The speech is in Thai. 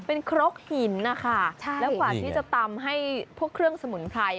เป็นครกหินนะคะแล้วกว่าที่จะตำให้พวกเครื่องสมุนไพร